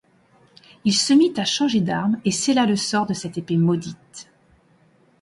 Il se mit à changer d'arme et scella le sort de cette épée maudite.